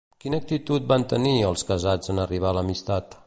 Quina actitud van tenir, els casats, en arribar l'amistat?